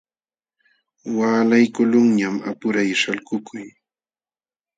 Waalaykuqlunñam apuray shalkukuy.